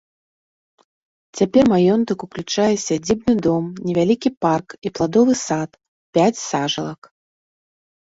Цяпер маёнтак уключае сядзібны дом, невялікі парк і пладовы сад, пяць сажалак.